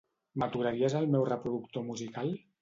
M'aturaries el meu reproductor musical?